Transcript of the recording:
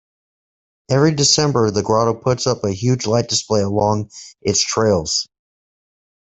Every December The Grotto puts up a huge light display along its trails.